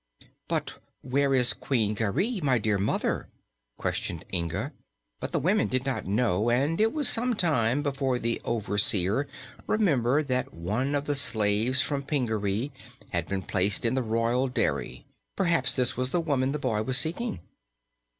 "But where is Queen Garee, my dear mother?" questioned Inga; but the women did not know and it was some time before the overseer remembered that one of the slaves from Pingaree had been placed in the royal dairy. Perhaps this was the woman the boy was seeking.